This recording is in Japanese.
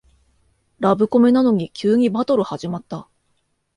ラブコメなのに急にバトル始まった